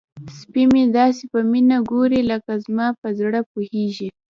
سپی مې داسې په مینه ګوري لکه زما په زړه پوهیږي.